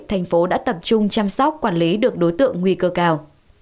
thành phố đã tập trung chăm sóc quản lý được đối tượng nguy cơ cao